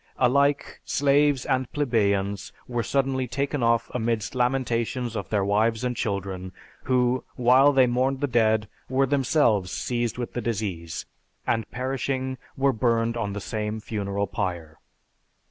Alike, slaves and plebeians were suddenly taken off amidst lamentations of their wives and children, who, while they mourned the dead, were themselves seized with the disease, and, perishing, were burned on the same funeral pyre."